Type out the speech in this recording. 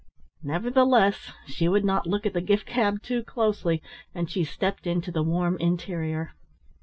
Nevertheless, she would not look at the gift cab too closely, and she stepped into the warm interior.